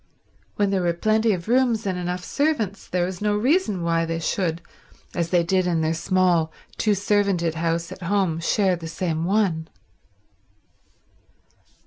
When there were plenty of rooms and enough servants there was no reason why they should, as they did in their small, two servanted house at home, share the same one.